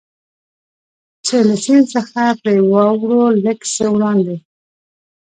چې له سیند څخه پرې واوړو، لږ څه وړاندې.